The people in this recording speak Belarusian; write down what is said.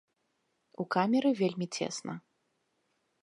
У камеры вельмі цесна.